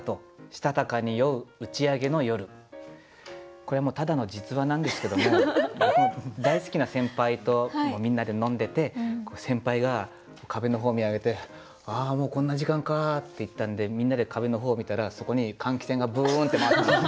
これはもうただの実話なんですけども僕の大好きな先輩とみんなで飲んでて先輩が壁の方見上げて「ああもうこんな時間か」って言ったんでみんなで壁の方を見たらそこに換気扇がブーンって回ってて。